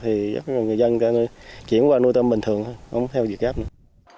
thì giúp cho người dân chuyển qua nuôi tôm bình thường thôi không theo việt gáp nữa